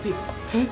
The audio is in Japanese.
えっ？